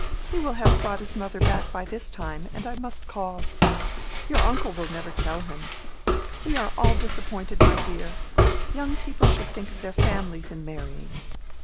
He will have brought his mother back by this time, and I must call. Your uncle will never tell him. We are all disappointed, my dear. Young people should think of their families in marrying.